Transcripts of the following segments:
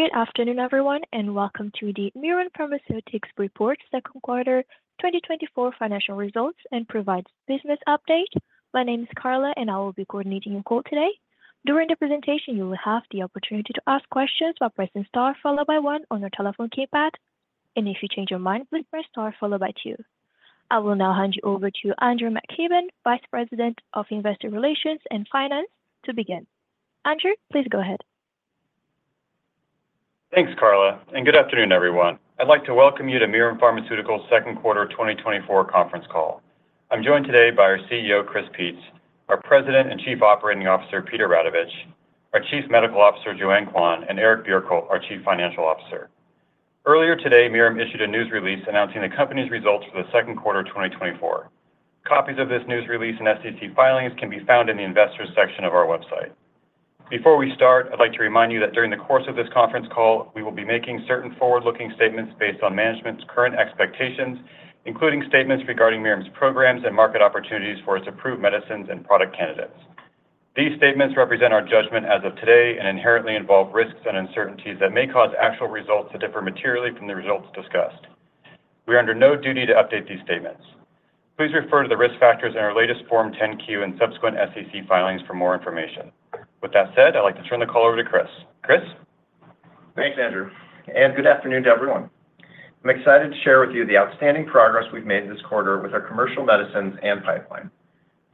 Good afternoon, everyone, and welcome to the Mirum Pharmaceuticals Q2 2024 Financial Results and Business Update. My name is Carla, and I will be coordinating your call today. During the presentation, you will have the opportunity to ask questions by pressing Star followed by one on your telephone keypad. If you change your mind, please press Star followed by two. I will now hand you over to Andrew McKibben, Vice President of Investor Relations and Finance, to begin. Andrew, please go ahead. Thanks, Carla, and good afternoon, everyone. I'd like to welcome you to Mirum Pharmaceuticals Q2 2024 conference call. I'm joined today by our CEO, Chris Peetz; our President and Chief Operating Officer, Peter Radovich; our Chief Medical Officer, Joanne Quan; and Eric Bjerkholt, our Chief Financial Officer. Earlier today, Mirum issued a news release announcing the company's results for the Q2 of 2024. Copies of this news release and SEC filings can be found in the investors section of our website. Before we start, I'd like to remind you that during the course of this conference call, we will be making certain forward-looking statements based on management's current expectations, including statements regarding Mirum's programs and market opportunities for its approved medicines and product candidates. These statements represent our judgment as of today and inherently involve risks and uncertainties that may cause actual results to differ materially from the results discussed. We are under no duty to update these statements. Please refer to the risk factors in our latest Form 10-Q and subsequent SEC filings for more information. With that said, I'd like to turn the call over to Chris. Chris? Thanks, Andrew, and good afternoon to everyone. I'm excited to share with you the outstanding progress we've made this quarter with our commercial medicines and pipeline.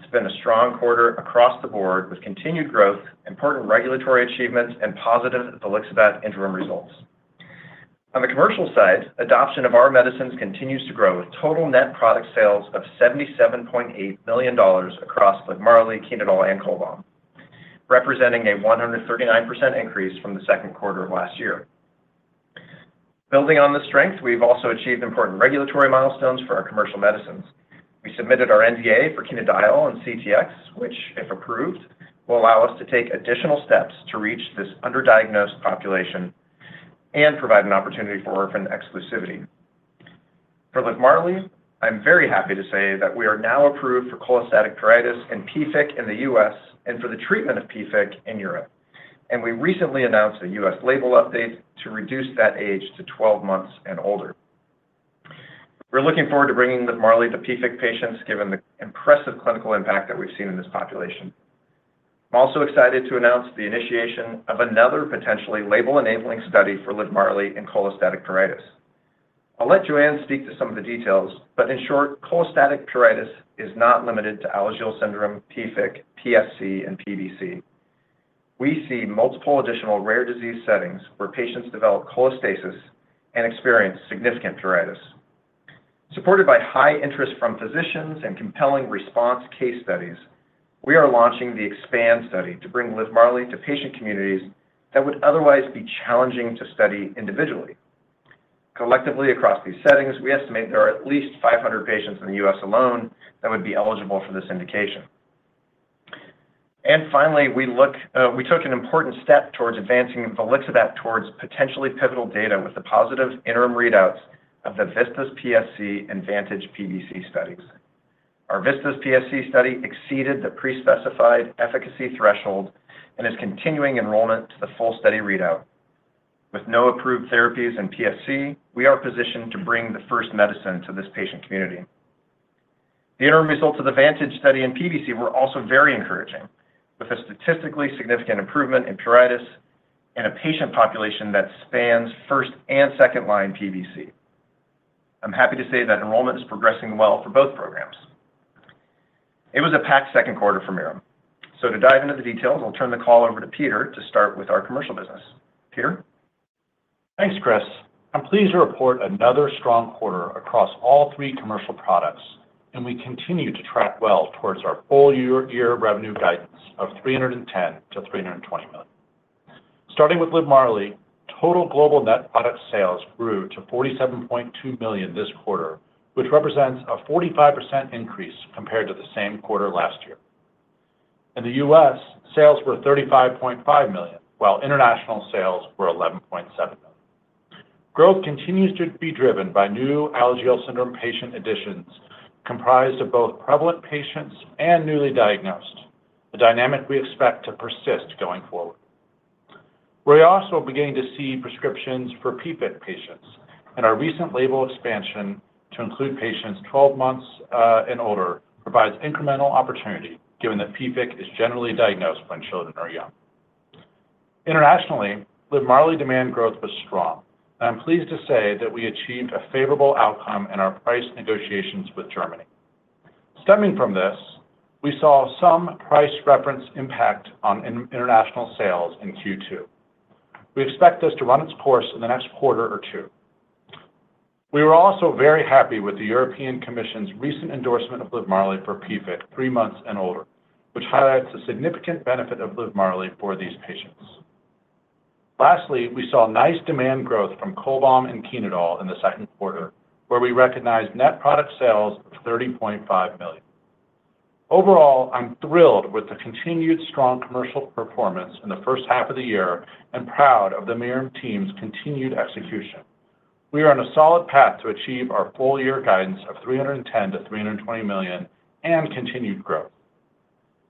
It's been a strong quarter across the board, with continued growth, important regulatory achievements, and positive volixibat interim results. On the commercial side, adoption of our medicines continues to grow, with total net product sales of $77.8 million across LIVMARLI, Chenodal, and Cholbam, representing a 139% increase from the Q2 of last year. Building on this strength, we've also achieved important regulatory milestones for our commercial medicines. We submitted our NDA for Chenodal and CTX, which, if approved, will allow us to take additional steps to reach this underdiagnosed population and provide an opportunity for orphan exclusivity. For LIVMARLI, I'm very happy to say that we are now approved for cholestatic pruritus in PFIC in the U.S. and for the treatment of PFIC in Europe. We recently announced a U.S. label update to reduce that age to 12 months and older. We're looking forward to bringing LIVMARLI to PFIC patients, given the impressive clinical impact that we've seen in this population. I'm also excited to announce the initiation of another potentially label-enabling study for LIVMARLI in cholestatic pruritus. I'll let Joanne speak to some of the details, but in short, cholestatic pruritus is not limited to Alagille syndrome, PFIC, PSC, and PBC. We see multiple additional rare disease settings where patients develop cholestasis and experience significant pruritus. Supported by high interest from physicians and compelling response case studies, we are launching the EXPAND study to bring LIVMARLI to patient communities that would otherwise be challenging to study individually. Collectively, across these settings, we estimate there are at least 500 patients in the U.S. alone that would be eligible for this indication. And finally, we took an important step towards advancing volixibat towards potentially pivotal data with the positive interim readouts of the VISTAS PSC and VANTAGE PBC studies. Our VISTAS PSC study exceeded the pre-specified efficacy threshold and is continuing enrollment to the full study readout. With no approved therapies in PSC, we are positioned to bring the first medicine to this patient community. The interim results of the VANTAGE study in PBC were also very encouraging, with a statistically significant improvement in pruritus and a patient population that spans first and second-line PBC. I'm happy to say that enrollment is progressing well for both programs. It was a packed Q2 for Mirum. So to dive into the details, I'll turn the call over to Peter to start with our commercial business. Peter? Thanks, Chris. I'm pleased to report another strong quarter across all three commercial products, and we continue to track well towards our full year revenue guidance of $310 million-$320 million. Starting with LIVMARLI, total global net product sales grew to $47.2 million this quarter, which represents a 45% increase compared to the same quarter last year. In the US, sales were $35.5 million, while international sales were $11.7 million. Growth continues to be driven by new Alagille syndrome patient additions, comprised of both prevalent patients and newly diagnosed, a dynamic we expect to persist going forward. We're also beginning to see prescriptions for PFIC patients, and our recent label expansion to include patients 12 months and older, provides incremental opportunity, given that PFIC is generally diagnosed when children are young. Internationally, LIVMARLI demand growth was strong, and I'm pleased to say that we achieved a favorable outcome in our price negotiations with Germany. Stemming from this, we saw some price reference impact on international sales in Q2. We expect this to run its course in the next quarter or two. We were also very happy with the European Commission's recent endorsement of LIVMARLI for PFIC, three months and older, which highlights the significant benefit of LIVMARLI for these patients. Lastly, we saw nice demand growth from Cholbam and Chenodal in the Q2, where we recognized net product sales of $30.5 million. Overall, I'm thrilled with the continued strong commercial performance in the first half of the year and proud of the Mirum team's continued execution. We are on a solid path to achieve our full year guidance of $310 million-$320 million and continued growth.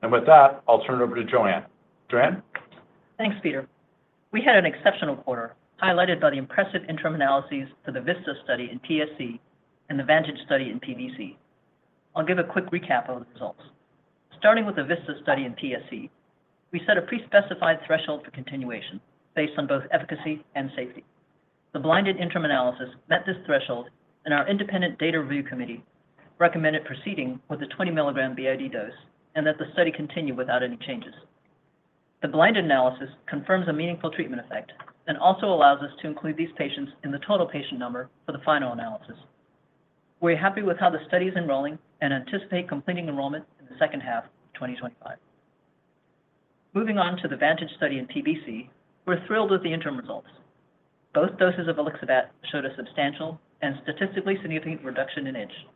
With that, I'll turn it over to Joanne. Joanne? Thanks, Peter. We had an exceptional quarter, highlighted by the impressive interim analyses for the VISTAS study in PSC and the VANTAGE study in PBC. I'll give a quick recap of the results. Starting with the VISTAS study in PSC, we set a pre-specified threshold for continuation based on both efficacy and safety. The blinded interim analysis met this threshold, and our independent data review committee recommended proceeding with the 20 milligram BID dose, and that the study continue without any changes. The blinded analysis confirms a meaningful treatment effect and also allows us to include these patients in the total patient number for the final analysis. We're happy with how the study is enrolling and anticipate completing enrollment in the second half of 2025. Moving on to the VANTAGE study in PBC, we're thrilled with the interim results. Both doses of volixibat showed a substantial and statistically significant reduction in itch,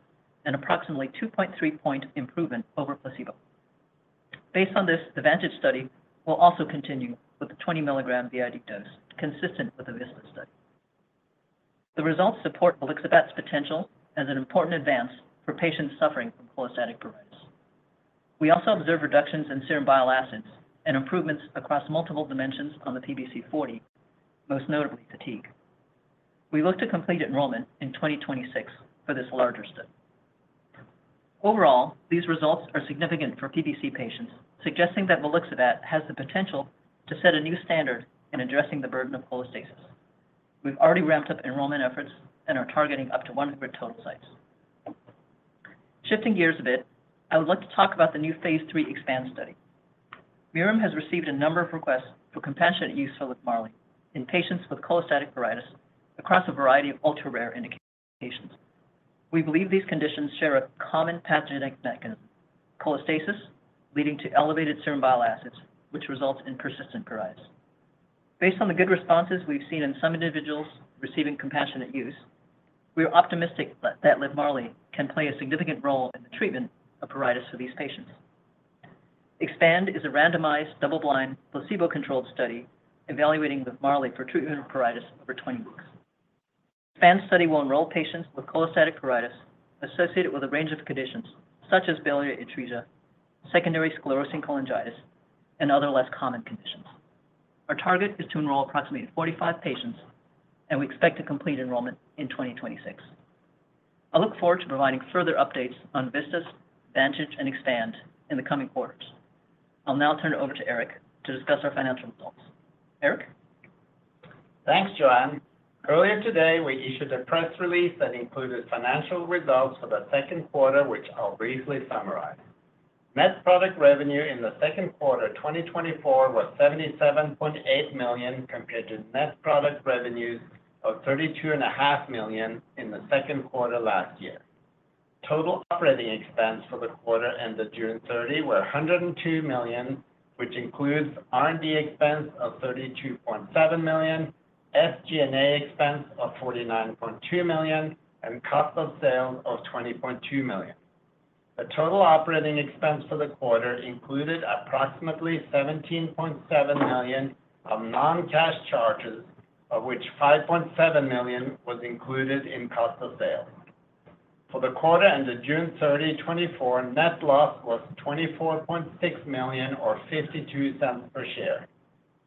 an approximately 2.3-point improvement over placebo. Based on this, the VANTAGE study will also continue with the 20 mg BID dose, consistent with the VISTAS study. The results support volixibat's potential as an important advance for patients suffering from cholestatic pruritus. We also observed reductions in serum bile acids and improvements across multiple dimensions on the PBC-40, most notably fatigue. We look to complete enrollment in 2026 for this larger study. Overall, these results are significant for PBC patients, suggesting that volixibat has the potential to set a new standard in addressing the burden of cholestasis. We've already ramped up enrollment efforts and are targeting up to 100 total sites. Shifting gears a bit, I would like to talk about the new phase 3 EXPAND study. Mirum has received a number of requests for compassionate use for LIVMARLI in patients with cholestatic pruritus across a variety of ultra-rare indications. We believe these conditions share a common pathogenic mechanism, cholestasis, leading to elevated serum bile acids, which results in persistent pruritus. Based on the good responses we've seen in some individuals receiving compassionate use, we are optimistic that LIVMARLI can play a significant role in the treatment of pruritus for these patients. EXPAND is a randomized, double-blind, placebo-controlled study evaluating LIVMARLI for treatment of pruritus over 20 weeks. EXPAND study will enroll patients with cholestatic pruritus associated with a range of conditions such as biliary atresia, secondary sclerosing cholangitis, and other less common conditions. Our target is to enroll approximately 45 patients, and we expect to complete enrollment in 2026. I look forward to providing further updates on VISTAS, VANTAGE, and EXPAND in the coming quarters. I'll now turn it over to Eric to discuss our financial results. Eric? Thanks, Joanne. Earlier today, we issued a press release that included financial results for the Q2, which I'll briefly summarize. Net product revenue in the Q2 2024 was $77.8 million, compared to net product revenues of $32.5 million in the Q2 last year. Total operating expense for the quarter ended June 30 were $102 million, which includes R&D expense of $32.7 million, SG&A expense of $49.2 million, and cost of sales of $20.2 million. The total operating expense for the quarter included approximately $17.7 million of non-cash charges, of which $5.7 million was included in cost of sales. For the quarter ended June 30, 2024, net loss was $24.6 million or $0.52 per share.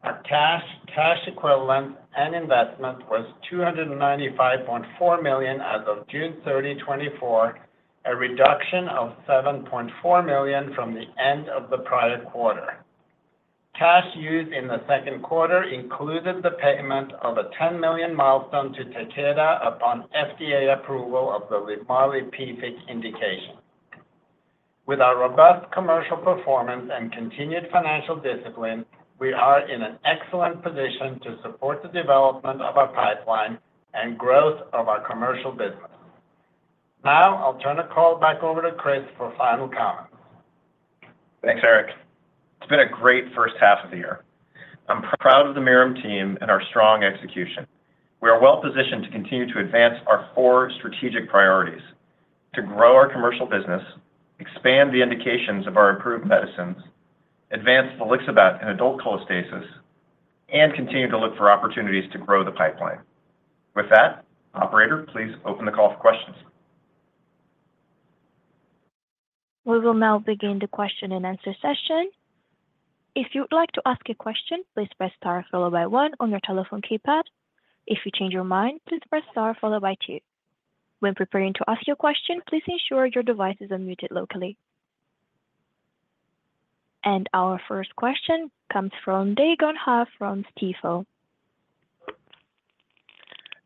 Our cash, cash equivalent, and investment was $295.4 million as of June 30, 2024, a reduction of $7.4 million from the end of the prior quarter. Cash used in the Q2 included the payment of a $10 million milestone to Takeda upon FDA approval of the LIVMARLI PFIC indication. With our robust commercial performance and continued financial discipline, we are in an excellent position to support the development of our pipeline and growth of our commercial business. Now, I'll turn the call back over to Chris for final comments. Thanks, Eric. It's been a great first half of the year. I'm proud of the Mirum team and our strong execution. We are well positioned to continue to advance our four strategic priorities: to grow our commercial business, expand the indications of our approved medicines, advance volixibat in adult cholestasis, and continue to look for opportunities to grow the pipeline. With that, operator, please open the call for questions. We will now begin the question and answer session. If you would like to ask a question, please press star followed by one on your telephone keypad. If you change your mind, please press star followed by two. When preparing to ask your question, please ensure your devices are muted locally. Our first question comes from Dae Gon Ha from Stifel.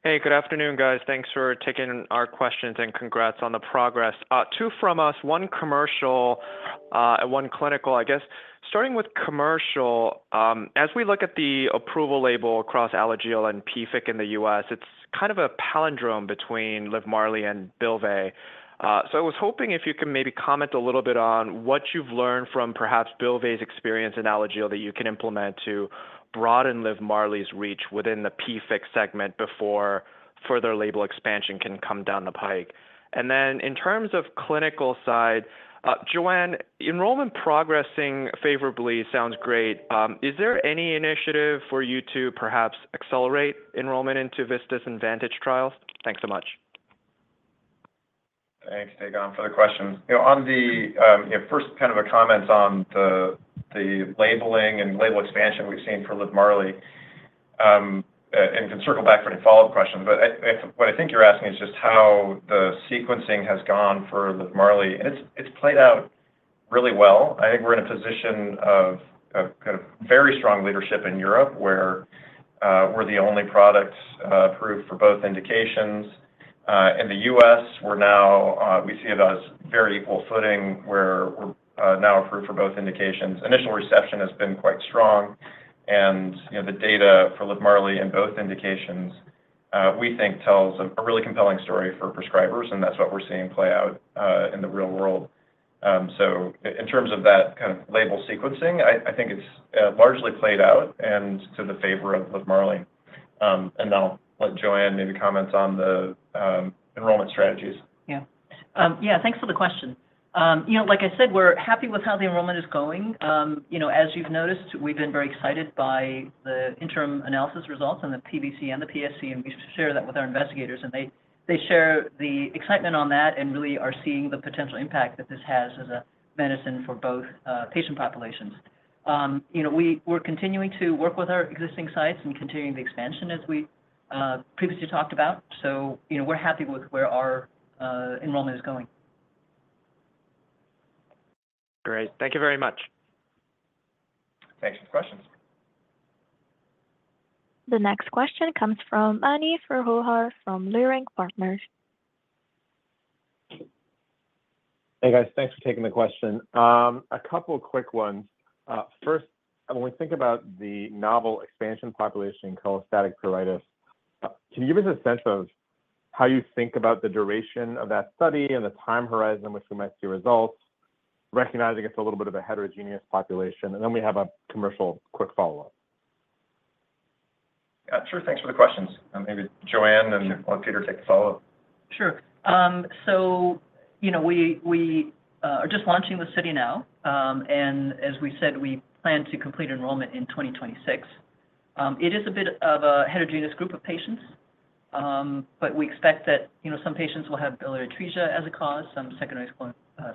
Hey, good afternoon, guys. Thanks for taking our questions, and congrats on the progress. Two from us, one commercial, and one clinical, I guess. Starting with commercial, as we look at the approval label across Alagille and PFIC in the U.S., it's kind of a palindrome between LIVMARLI and Bylvay. So I was hoping if you could maybe comment a little bit on what you've learned from perhaps Bylvay's experience in Alagille that you can implement to broaden LIVMARLI's reach within the PFIC segment before further label expansion can come down the pike. And then in terms of clinical side, Joanne, enrollment progressing favorably sounds great. Is there any initiative for you to perhaps accelerate enrollment into VISTAS and VANTAGE trials? Thanks so much. ... Thanks, Dae Gon, for the question. You know, on the, you know, first kind of a comment on the, the labeling and label expansion we've seen for LIVMARLI. And can circle back for any follow-up questions, but what I think you're asking is just how the sequencing has gone for LIVMARLI, and it's played out really well. I think we're in a position of kind of very strong leadership in Europe, where we're the only product approved for both indications. In the US, we're now we see it as very equal footing, where we're now approved for both indications. Initial reception has been quite strong, and you know, the data for LIVMARLI in both indications, we think tells a really compelling story for prescribers, and that's what we're seeing play out in the real world. So in terms of that kind of label sequencing, I think it's largely played out and to the favor of LIVMARLI. And then I'll let Joanne maybe comment on the enrollment strategies. Yeah. Yeah, thanks for the question. You know, like I said, we're happy with how the enrollment is going. You know, as you've noticed, we've been very excited by the interim analysis results on the PBC and the PSC, and we share that with our investigators, and they share the excitement on that and really are seeing the potential impact that this has as a medicine for both patient populations. You know, we're continuing to work with our existing sites and continuing the expansion as we previously talked about. So, you know, we're happy with where our enrollment is going. Great. Thank you very much. Thanks for the questions. The next question comes from Anif Roho from Leerink Partners. Hey, guys. Thanks for taking the question. A couple of quick ones. First, when we think about the novel expansion population in cholestatic pruritus, can you give us a sense of how you think about the duration of that study and the time horizon in which we might see results, recognizing it's a little bit of a heterogeneous population? And then we have a commercial quick follow-up. Yeah, sure. Thanks for the questions. And maybe Joanne, and then let Peter take the follow-up. Sure. So, you know, we are just launching the study now. And as we said, we plan to complete enrollment in 2026. It is a bit of a heterogeneous group of patients, but we expect that, you know, some patients will have biliary atresia as a cause, some secondary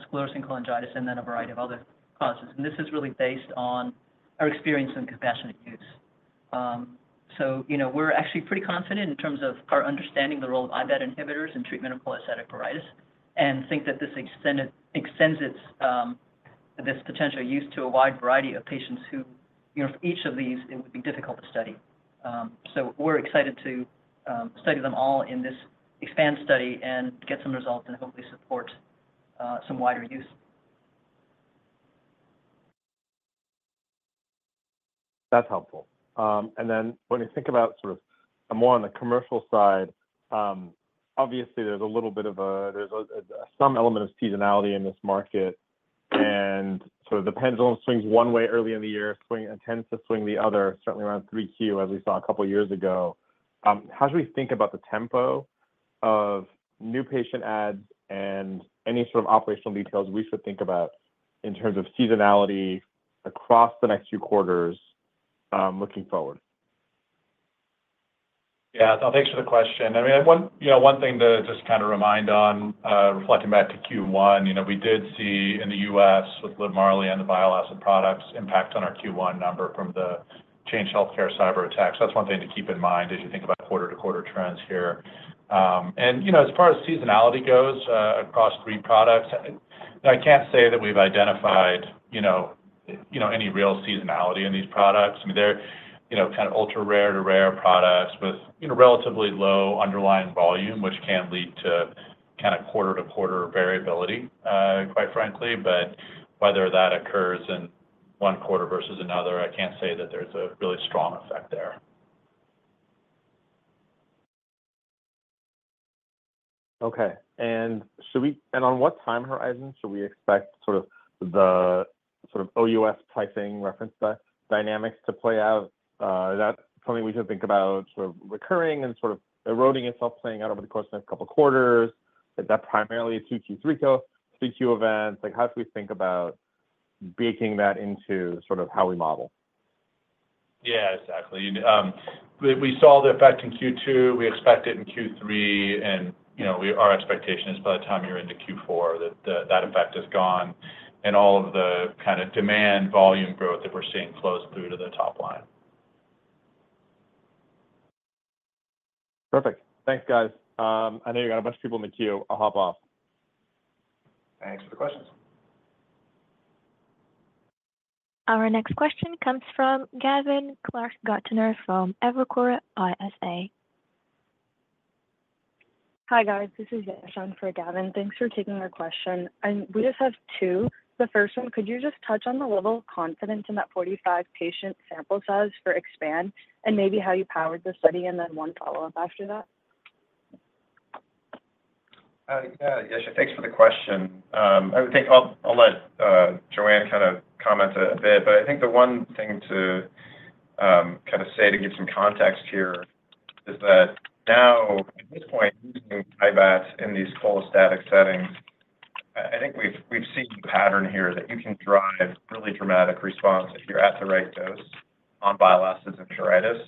sclerosing cholangitis, and then a variety of other causes. This is really based on our experience in compassionate use. So, you know, we're actually pretty confident in terms of our understanding the role of IBAT inhibitors in treatment of cholestasis, and think that this extends its, this potential use to a wide variety of patients who, you know, for each of these, it would be difficult to study. So we're excited to study them all in this EXPAND study and get some results and hopefully support some wider use. That's helpful. And then when you think about sort of more on the commercial side, obviously, there's a little bit of a some element of seasonality in this market, and so the pendulum swings one way early in the year and tends to swing the other, certainly around three Q, as we saw a couple of years ago. How should we think about the tempo of new patient adds and any sort of operational details we should think about in terms of seasonality across the next few quarters, looking forward? Yeah. Thanks for the question. I mean, one, you know, one thing to just kind of remind on, reflecting back to Q1, you know, we did see in the US with LIVMARLI and the bile acid products impact on our Q1 number from the Change Healthcare cyberattack. So that's one thing to keep in mind as you think about quarter-to-quarter trends here. And, you know, as far as seasonality goes, across three products, I can't say that we've identified, you know, you know, any real seasonality in these products. I mean, they're, you know, kind of ultra-rare to rare products with, you know, relatively low underlying volume, which can lead to kind of quarter-to-quarter variability, quite frankly. But whether that occurs in one quarter versus another, I can't say that there's a really strong effect there. Okay. And on what time horizon should we expect sort of the, sort of OUS pricing reference dynamics to play out? Is that something we should think about sort of recurring and sort of eroding itself, playing out over the course of the next couple of quarters? Is that primarily a Q2, Q3 event? Like, how should we think about baking that into sort of how we model? Yeah, exactly. We saw the effect in Q2, we expect it in Q3, and, you know, our expectation is by the time you're into Q4, that effect is gone and all of the kind of demand volume growth that we're seeing flows through to the top line. Perfect. Thanks, guys. I know you got a bunch of people in the queue. I'll hop off. Thanks for the questions. Our next question comes from Gavin Clark-Gartner from Evercore ISI. Hi, guys. This is Yeshwanth for Gavin. Thanks for taking our question. We just have two. The first one, could you just touch on the level of confidence in that 45-patient sample size for EXPAND, and maybe how you powered the study, and then one follow-up after that? Yeah, Yeshwanth, thanks for the question. I think I'll, I'll let Joanne kind of comment a bit, but I think the one thing to kind of say to give some context here is that now, at this point, using IBAT in these cholestatic settings. I think we've, we've seen a pattern here that you can drive really dramatic response if you're at the right dose on bile acid and cholestasis.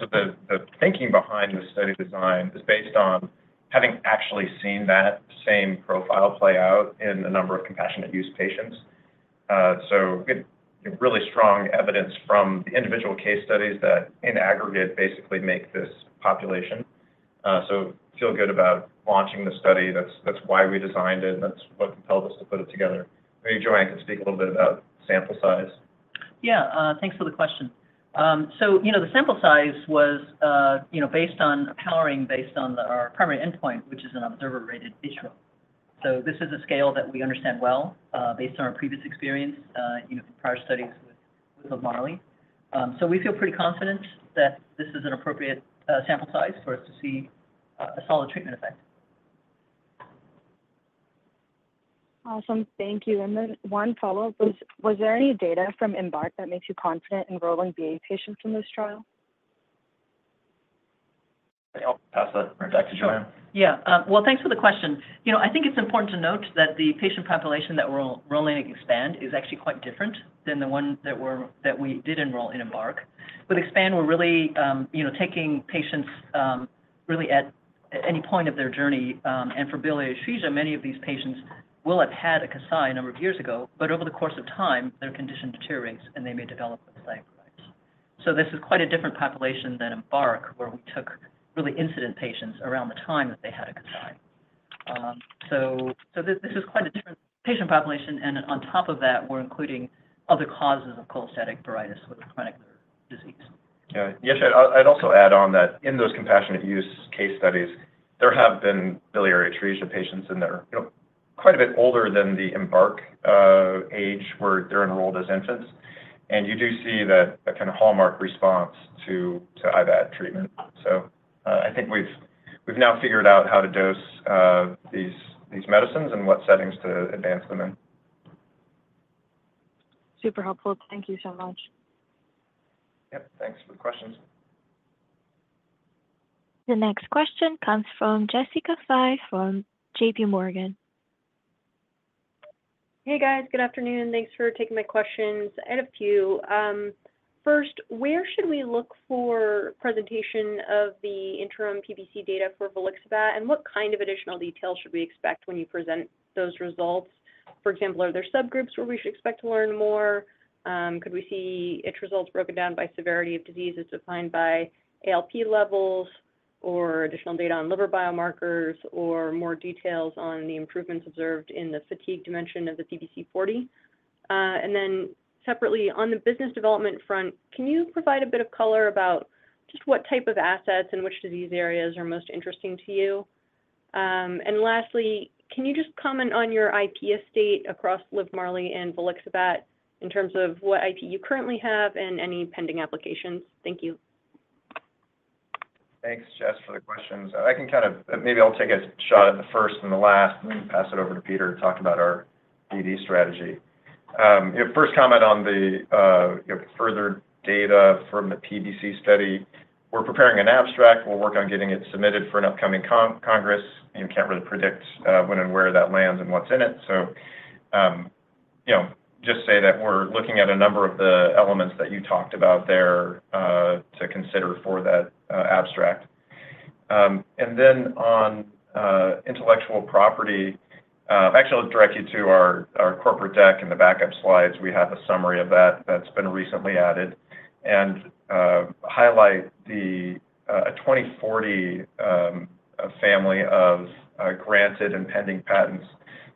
So the thinking behind this study design is based on having actually seen that same profile play out in a number of compassionate use patients. So good, really strong evidence from the individual case studies that in aggregate basically make this population. So feel good about launching the study. That's why we designed it, and that's what compelled us to put it together. Maybe Joanne can speak a little bit about sample size. Yeah, thanks for the question. So, you know, the sample size was, you know, based on powering, based on the, our primary endpoint, which is an observer-rated visual. So this is a scale that we understand well, based on our previous experience, you know, from prior studies with, with LIVMARLI. So we feel pretty confident that this is an appropriate, sample size for us to see, a solid treatment effect. Awesome. Thank you. And then one follow-up. Was there any data from EMBARK that makes you confident enrolling BA patients in this trial? I'll pass that back to Joanne. Sure. Yeah, well, thanks for the question. You know, I think it's important to note that the patient population that we're enrolling in EXPAND is actually quite different than the one that we're, that we did enroll in EMBARK. With EXPAND, we're really, you know, taking patients, really at any point of their journey. And for biliary atresia, many of these patients will have had a Kasai a number of years ago, but over the course of time, their condition deteriorates, and they may develop with liver failure. So this is quite a different population than EMBARK, where we took really incident patients around the time that they had a Kasai. So this is quite a different patient population, and on top of that, we're including other causes of cholestatic colitis with chronic liver disease. Yeah. Yes, I'd also add on that in those compassionate use case studies, there have been biliary atresia patients, and they're, you know, quite a bit older than the EMBARK age, where they're enrolled as infants. And you do see that, a kind of hallmark response to IBAT treatment. So, I think we've now figured out how to dose these medicines and what settings to advance them in. Super helpful. Thank you so much. Yep. Thanks for the questions. The next question comes from Jessica Fye from J.P. Morgan. Hey, guys. Good afternoon. Thanks for taking my questions. I had a few. First, where should we look for presentation of the interim PBC data for volixibat, and what kind of additional details should we expect when you present those results? For example, are there subgroups where we should expect to learn more? Could we see itch results broken down by severity of diseases defined by ALP levels or additional data on liver biomarkers or more details on the improvements observed in the fatigue dimension of the PBC 40? And then separately, on the business development front, can you provide a bit of color about just what type of assets and which disease areas are most interesting to you? And lastly, can you just comment on your IP estate across LIVMARLI and volixibat in terms of what IP you currently have and any pending applications? Thank you. Thanks, Jess, for the questions. I can kind of. Maybe I'll take a shot at the first and the last, and pass it over to Peter to talk about our BD strategy. Yeah, first comment on the, you know, further data from the PBC study. We're preparing an abstract. We'll work on getting it submitted for an upcoming congress, and can't really predict, when and where that lands and what's in it. So, you know, just say that we're looking at a number of the elements that you talked about there, to consider for that, abstract. And then on, intellectual property, actually, I'll direct you to our, our corporate deck. In the backup slides, we have a summary of that that's been recently added, and highlight the a 2040 family of granted and pending patents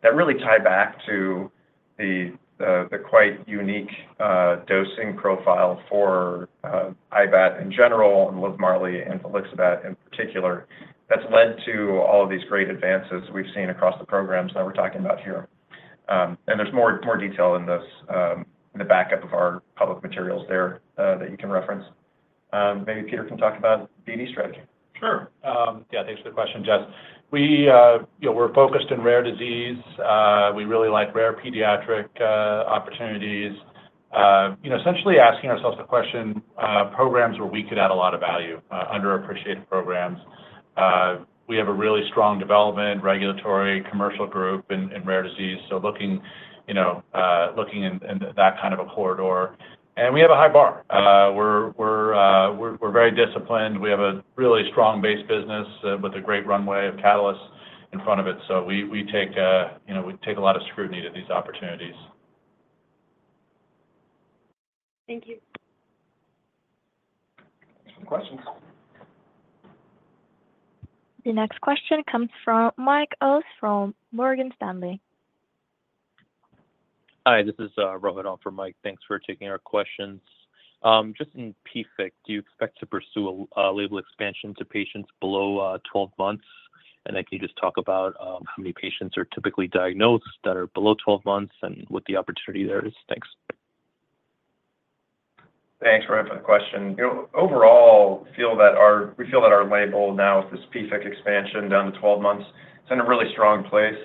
that really tie back to the quite unique dosing profile for IBAT in general and LIVMARLI and volixibat in particular. That's led to all of these great advances we've seen across the programs that we're talking about here. And there's more detail in this, in the backup of our public materials there, that you can reference. Maybe Peter can talk about BD strategy. Sure. Yeah, thanks for the question, Jess. We, you know, we're focused on rare disease. We really like rare pediatric opportunities. You know, essentially asking ourselves the question, programs where we could add a lot of value, underappreciated programs. We have a really strong development, regulatory, commercial group in rare disease, so looking, you know, looking in that kind of a corridor. We have a high bar. We're very disciplined. We have a really strong base business with a great runway of catalysts in front of it. So we take, you know, we take a lot of scrutiny to these opportunities. Thank you. Thanks for the questions. The next question comes from Mike Ulz, from Morgan Stanley. Hi, this is Rohan for Mike. Thanks for taking our questions. Just in PFIC, do you expect to pursue a label expansion to patients below 12 months? And then can you just talk about how many patients are typically diagnosed that are below 12 months and what the opportunity there is? Thanks. Thanks, Rohan, for the question. You know, overall, we feel that our label now with this PFIC expansion down to 12 months, it's in a really strong place.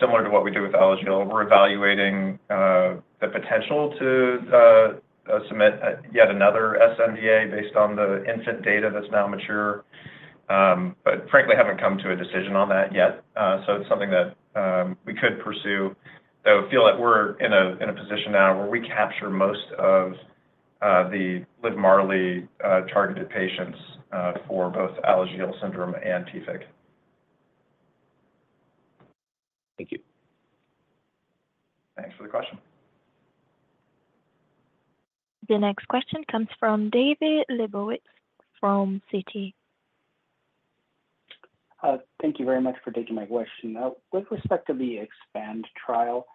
Similar to what we do with Alagille, we're evaluating the potential to submit yet another sNDA based on the infant data that's now mature. But frankly, haven't come to a decision on that yet. So it's something that we could pursue, though feel that we're in a position now where we capture most of the LIVMARLI targeted patients for both Alagille syndrome and PFIC. Thank you. Thanks for the question. The next question comes from David Lebowitz from Citi. Thank you very much for taking my question. Now, with respect to the EXPAND trial,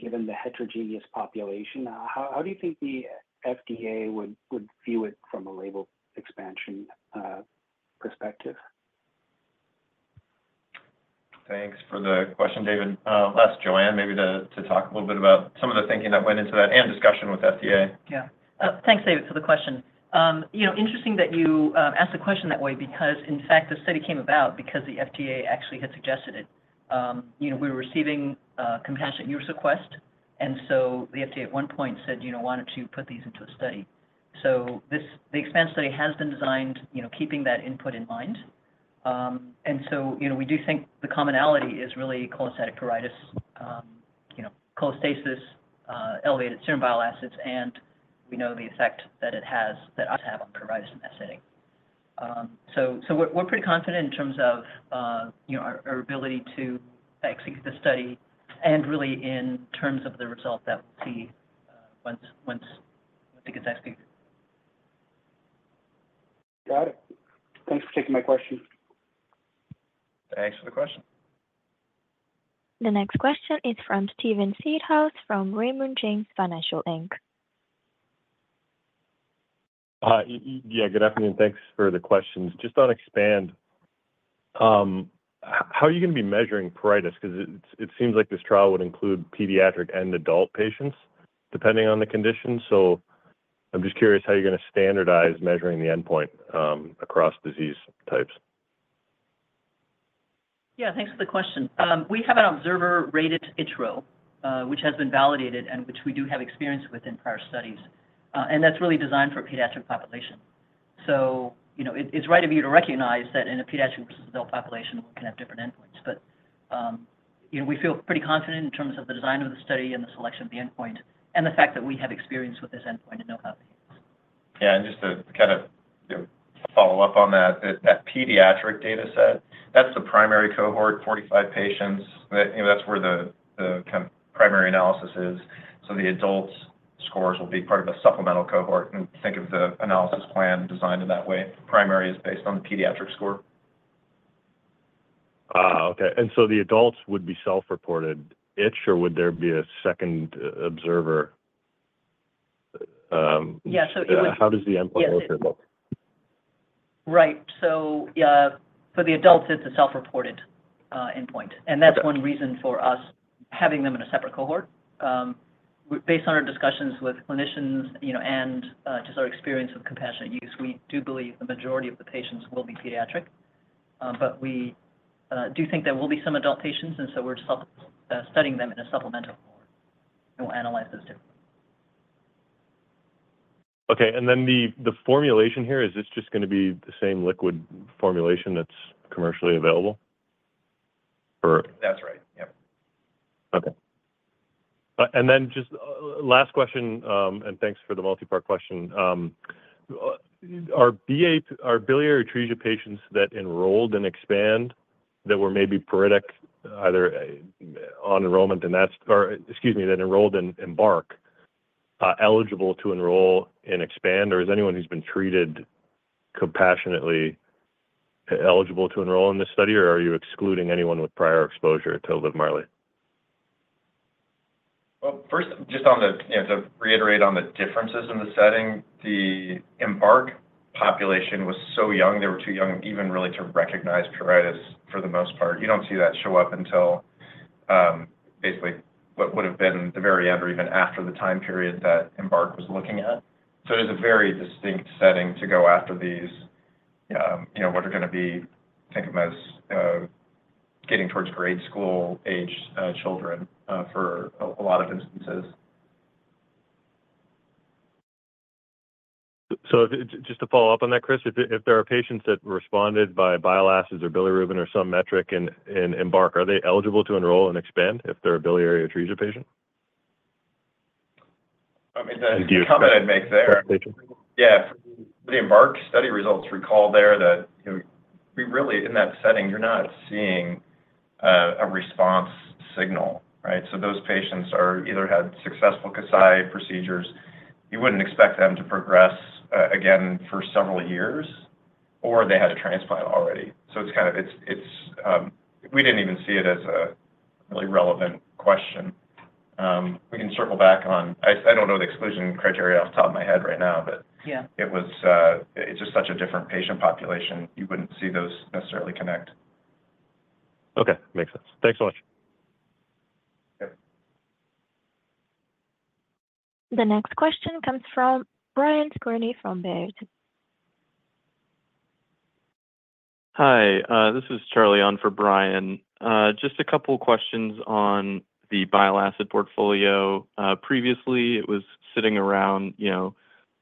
given the heterogeneous population, how do you think the FDA would view it from a label expansion perspective? Thanks for the question, David. I'll ask Joanne maybe to talk a little bit about some of the thinking that went into that, and discussion with FDA. Yeah. Thanks, David, for the question. You know, interesting that you asked the question that way, because, in fact, the study came about because the FDA actually had suggested it. You know, we were receiving compassionate use request, and so the FDA at one point said, "You know, why don't you put these into a study?" So, the EXPAND study has been designed, you know, keeping that input in mind. And so, you know, we do think the commonality is really cholestatic pruritus, you know, cholestasis, elevated serum bile acids, and we know the effect that it has, that ought to have on pruritus in that setting. So, we're pretty confident in terms of, you know, our ability to execute the study and really in terms of the result that we'll see, once it gets executed. Got it. Thanks for taking my question. Thanks for the question. The next question is from Steven Seedhouse, from Raymond James Financial Inc. Yeah, good afternoon, thanks for the questions. Just on Expand, how are you going to be measuring pruritus? 'Cause it seems like this trial would include pediatric and adult patients, depending on the condition. So I'm just curious how you're going to standardize measuring the endpoint across disease types. Yeah, thanks for the question. We have an observer-rated itch score, which has been validated and which we do have experience with in prior studies. And that's really designed for a pediatric population. So, you know, it's right of you to recognize that in a pediatric versus adult population, we can have different endpoints. But, you know, we feel pretty confident in terms of the design of the study and the selection of the endpoint, and the fact that we have experience with this endpoint and know how to use. Yeah, and just to kind of, you know, follow up on that, that pediatric data set, that's the primary cohort, 45 patients. That, you know, that's where the kind of primary analysis is. So the adults scores will be part of a supplemental cohort, and think of the analysis plan designed in that way. Primary is based on the pediatric score. Ah, okay. And so the adults would be self-reported itch, or would there be a second observer? Yeah, so it would- How does the endpoint measure look? Right. So, for the adults, it's a self-reported endpoint. Okay. That's one reason for us having them in a separate cohort. Based on our discussions with clinicians, you know, and just our experience with compassionate use, we do believe the majority of the patients will be pediatric. But we do think there will be some adult patients, and so we're studying them in a supplemental cohort, and we'll analyze those, too. Okay, and then the formulation here, is this just gonna be the same liquid formulation that's commercially available? Or- That's right. Yep. Okay. And then just, last question, and thanks for the multipart question. Are biliary atresia patients that enrolled in EXPAND that were maybe pruritic, either on enrollment, and that's... Or excuse me, that enrolled in EMBARK, eligible to enroll in EXPAND? Or is anyone who's been treated compassionately eligible to enroll in this study, or are you excluding anyone with prior exposure to LIVMARLI? Well, first, just on the, you know, to reiterate on the differences in the setting, the Embark population was so young. They were too young even really to recognize pruritus for the most part. You don't see that show up until basically what would've been the very end or even after the time period that Embark was looking at. So it is a very distinct setting to go after these, you know, what are gonna be, think of as, getting towards grade school-aged children, for a lot of instances. So just to follow up on that, Chris, if there are patients that responded by bile acids or bilirubin or some metric in EMBARK, are they eligible to enroll in EXPAND if they're a biliary atresia patient? I mean, the comment I'd make there- Yeah. The EMBARK study results recall there that, you know, we really, in that setting, you're not seeing a response signal, right? So those patients are either had successful Kasai procedures, you wouldn't expect them to progress again for several years, or they had a transplant already. So it's kind of, we didn't even see it as a really relevant question. We can circle back on... I don't know the exclusion criteria off the top of my head right now, but- Yeah... it was, it's just such a different patient population. You wouldn't see those necessarily connect. Okay, makes sense. Thanks so much. Yep. The next question comes from Brian Skorney, from Baird. Hi, this is Charlie on for Brian. Just a couple questions on the bile acid portfolio. Previously, it was sitting around, you know,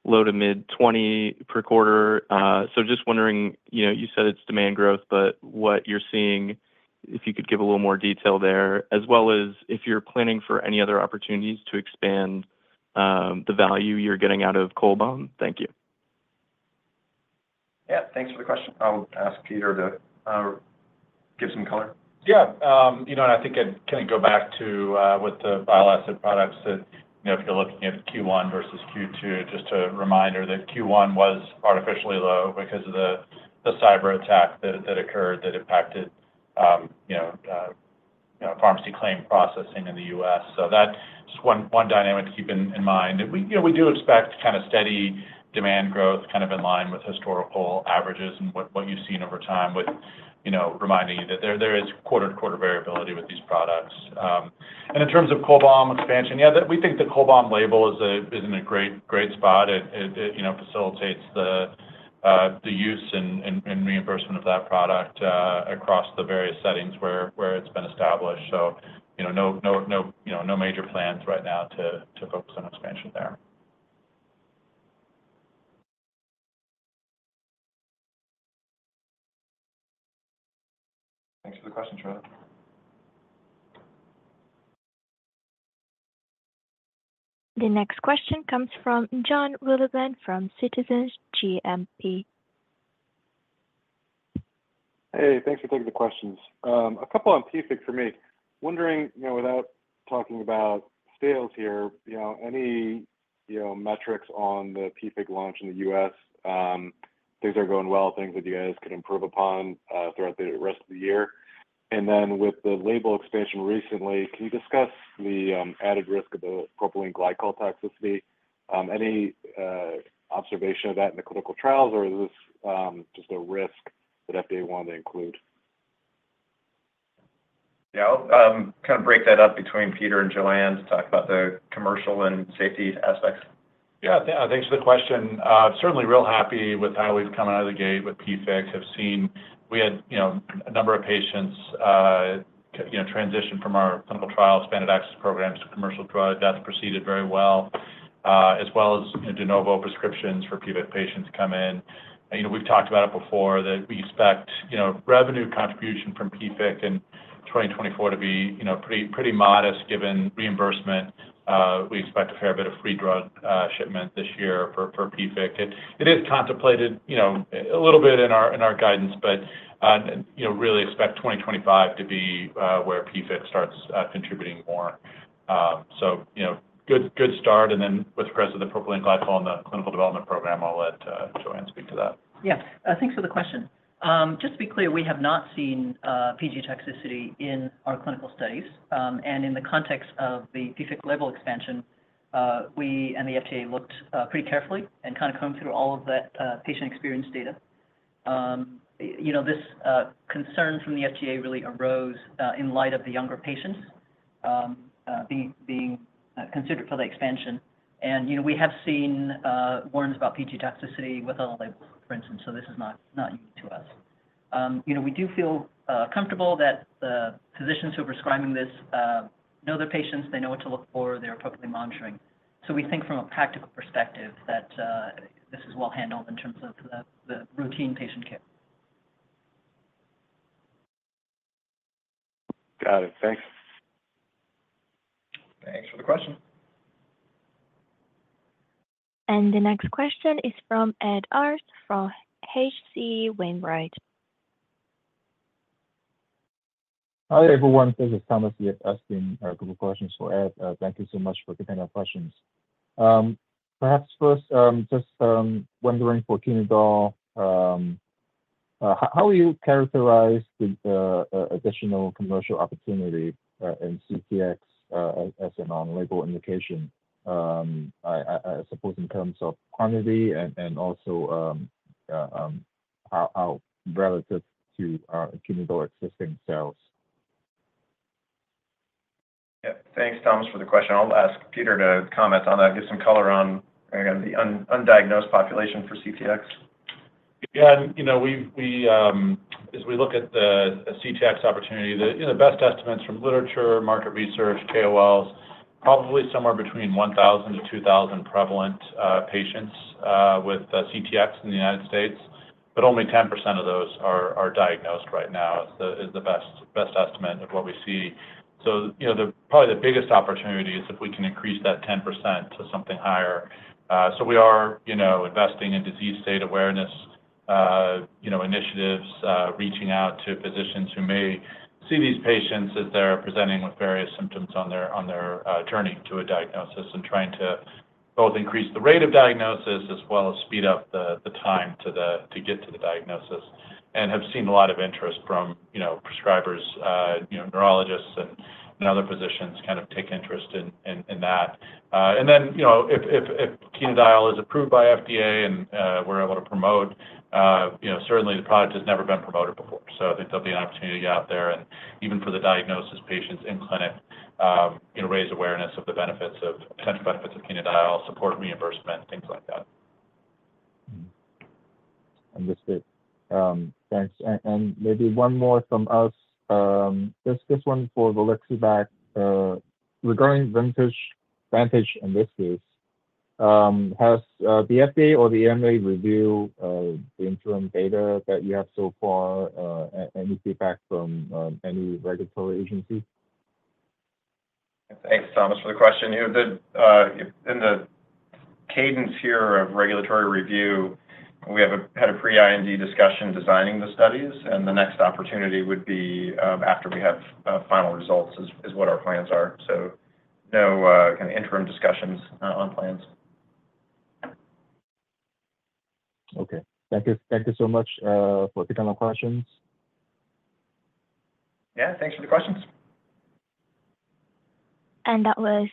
low to mid-20 per quarter. So just wondering... You know, you said it's demand growth, but what you're seeing, if you could give a little more detail there, as well as if you're planning for any other opportunities to expand, the value you're getting out of Cholbam. Thank you. Yeah, thanks for the question. I'll ask Peter to give some color. Yeah, you know, and I think I'd kinda go back to, with the bile acid products that, you know, if you're looking at Q1 versus Q2, just a reminder that Q1 was artificially low because of the cyberattack that occurred that impacted, you know, pharmacy claim processing in the US. So that's just one dynamic to keep in mind. And we, you know, we do expect kind of steady demand growth, kind of in line with historical averages and what you've seen over time with, you know, reminding you that there is quarter-to-quarter variability with these products. And in terms of Cholbam expansion, yeah, that we think the Cholbam label is a, is in a great, great spot. It, you know, facilitates the use and reimbursement of that product across the various settings where it's been established. So, you know, no, no, no, you know, no major plans right now to focus on expansion there. Thanks for the question, Charlie. The next question comes from Jon Wolleben from Citizens JMP. Hey, thanks for taking the questions. A couple on PFIC for me. Wondering, you know, without talking about sales here, you know, any, you know, metrics on the PFIC launch in the US, things are going well, things that you guys could improve upon, throughout the rest of the year? And then with the label expansion recently, can you discuss the added risk of the propylene glycol toxicity? Any observation of that in the clinical trials, or is this just a risk that FDA wanted to include? Yeah, I'll kind of break that up between Peter and Joanne to talk about the commercial and safety aspects. Yeah, yeah. Thanks for the question. Certainly real happy with how we've come out of the gate with PFIC. Have seen... We had, you know, a number of patients, you know, transition from our clinical trial expanded access programs to commercial product. That's proceeded very well, as well as de novo prescriptions for PFIC patients come in. You know, we've talked about it before, that we expect, you know, revenue contribution from PFIC in 2024 to be, you know, pretty, pretty modest given reimbursement. We expect a fair bit of free drug shipment this year for PFIC. It is contemplated, you know, a little bit in our, in our guidance, but, you know, really expect 2025 to be, where PFIC starts contributing more. So, you know, good, good start. And then with regards to the propylene glycol and the clinical development program, I'll let Joanne speak to that. Yeah. Thanks for the question. Just to be clear, we have not seen PG toxicity in our clinical studies. And in the context of the PFIC label expansion, we and the FDA looked pretty carefully and kind of combed through all of that patient experience data. You know, this concern from the FDA really arose in light of the younger patients being considered for the expansion. And, you know, we have seen warnings about PG toxicity with other labels, for instance, so this is not unique to us. You know, we do feel comfortable that the physicians who are prescribing this know their patients, they know what to look for, they're appropriately monitoring. So we think from a practical perspective, that this is well handled in terms of the routine patient care. Got it. Thanks. Thanks for the question. The next question is from Ed Arce, from H.C. Wainwright. Hi, everyone. This is Thomas Yip asking a couple questions for Ed. Thank you so much for taking our questions. Perhaps first, just wondering for Chenodal, how will you characterize the additional commercial opportunity in CTX as an on-label indication? I suppose in terms of quantity and also how relative to our Chenodal existing sales? Yeah. Thanks, Thomas, for the question. I'll ask Peter to comment on that, give some color on, again, the undiagnosed population for CTX. Yeah, and you know, we as we look at the CTX opportunity, the, you know, best estimates from literature, market research, KOLs, probably somewhere between 1,000-2,000 prevalent patients with CTX in the United States, but only 10% of those are diagnosed right now, is the best estimate of what we see. So, you know, probably the biggest opportunity is if we can increase that 10% to something higher. So we are, you know, investing in disease state awareness, you know, initiatives, reaching out to physicians who may see these patients as they're presenting with various symptoms on their journey to a diagnosis. And trying to both increase the rate of diagnosis as well as speed up the time to get to the diagnosis. And have seen a lot of interest from, you know, prescribers, you know, neurologists and other physicians kind of take interest in that. And then, you know, if Chenodal is approved by FDA and we're able to promote, you know, certainly the product has never been promoted before. So I think there'll be an opportunity out there, and even for the diagnosis patients in clinic, you know, raise awareness of the benefits of... potential benefits of Chenodal, support reimbursement, things like that. Mm-hmm. Understood. Thanks. And maybe one more from us. This one for volixibat. Regarding Vantage, Vantage in this case, has the FDA or the EMA reviewed the interim data that you have so far? Any feedback from any regulatory agency? Thanks, Thomas, for the question. You know, the in the cadence here of regulatory review, we have had a pre-IND discussion designing the studies, and the next opportunity would be after we have final results is what our plans are. So no kind of interim discussions on plans. Okay. Thank you. Thank you so much for taking my questions. Yeah, thanks for the questions. That was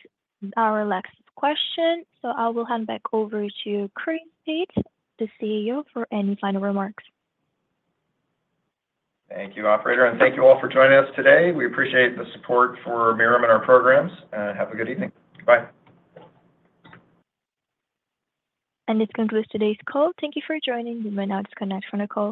our last question, so I will hand back over to Chris Peetz, the CEO, for any final remarks. Thank you, operator, and thank you all for joining us today. We appreciate the support for Mirum and our programs, and have a good evening. Bye. This concludes today's call. Thank you for joining. You may now disconnect from the call.